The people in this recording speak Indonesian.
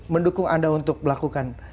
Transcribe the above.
mendukung anda untuk melakukan